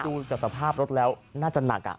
ดูจากสภาพรถแล้วน่าจะหนัก